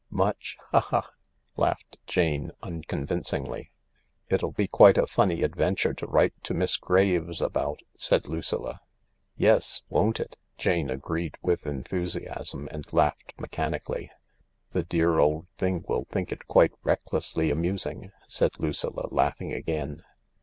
" Much — ha ha t " laughed Jane, unconvincingly. " It'll be quite a funny adventure to write to Miss Graves about," said Lucilla. " Yes, won't it ?" Jane agreed with enthusiasm, and laughed mechanically. " The dear old thing will think it quite recklessly amusing," said Lucilla, laughing again.